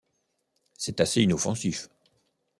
C'est assez inoffensif.